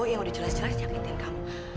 yang udah jelas jelas nyakitin kamu